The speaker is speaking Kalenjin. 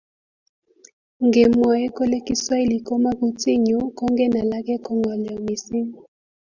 Ngemwoe kole kiswahili komo kutinyu kongen alake ko ngolyo missing